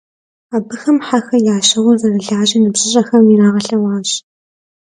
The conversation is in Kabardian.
Абыхэм хьэхэр ящӀыгъуу зэрылажьэр ныбжьыщӀэхэм ирагъэлъэгъуащ.